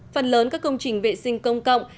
phần lớn các công trình vệ sinh công cộng